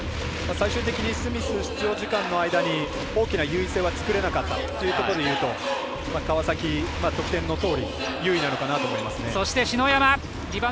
最終的にスミス出場時間の間に大きな優位性は作れなかったというところで言うと川崎、得点のとおり優位なのかなと思います。